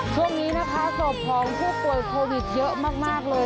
ช่วงนี้นะคะศพของผู้ป่วยโควิดเยอะมากเลย